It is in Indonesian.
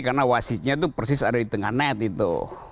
karena wasitnya itu persis ada di tengah net itu